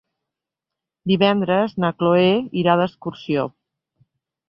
Divendres na Cloè irà d'excursió.